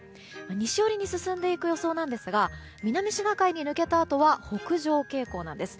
西寄りに進んでいく予想なんですが南シナ海に抜けたあとは北上傾向なんです。